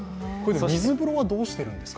水風呂はどうしてるんですか？